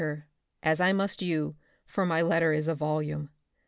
her, as I must you, for my letter is a volume.